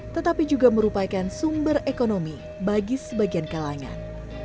tetapi juga merupakan sumber ekonomi bagi sebagian kalangan